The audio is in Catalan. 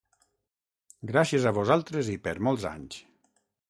Gràcies a vosaltres i per molts anys!